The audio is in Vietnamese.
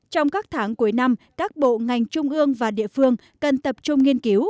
trong các tháng cuối năm các bộ ngành trung ương và địa phương cần tập trung nghiên cứu